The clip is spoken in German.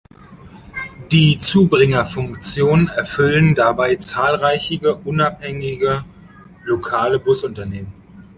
Die Zubringerfunktion erfüllen dabei zahlreiche unabhängige lokale Busunternehmen.